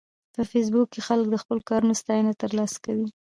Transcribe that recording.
په فېسبوک کې خلک د خپلو کارونو ستاینه ترلاسه کوي